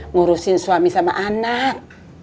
ngurusin suami sama anak